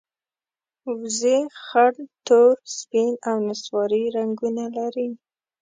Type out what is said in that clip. وزې خړ، تور، سپین او نسواري رنګونه لري